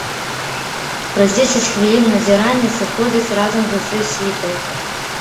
Праз дзесяць хвілін назірання сыходзіць разам з усёй світай.